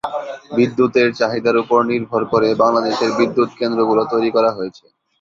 বিদ্যুতের চাহিদার উপর নির্ভর করে বাংলাদেশের বিদ্যুৎ কেন্দ্রগুলো তৈরি করা হয়েছে।